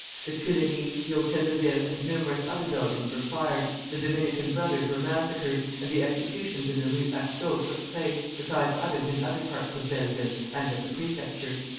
The Tuileries, the Hôtel de Ville, and numerous other buildings were fired, the Dominican Brothers were massacred, and the executions in the Rue Haxo took place, besides others in other parts of Belleville and at the Prefecture.